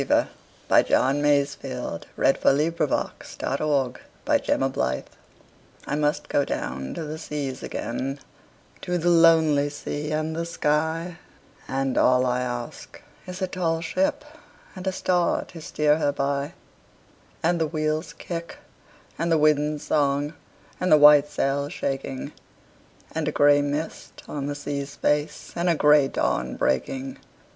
C D . E F . G H . I J . K L . M N . O P . Q R . S T . U V . W X . Y Z Sea Fever I MUST down to the seas again, to the lonely sea and the sky, And all I ask is a tall ship and a star to steer her by, And the wheel's kick and the wind's song and the white sail's shaking, And a gray mist on the sea's face, and a gray dawn breaking.